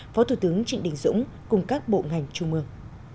phó thủ tướng trịnh đình dũng cùng các bộ ngành trung mương